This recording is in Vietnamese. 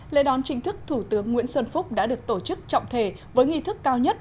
lễ đón chính thức thủ tướng nguyễn xuân phúc đã được tổ chức trọng thể với nghi thức cao nhất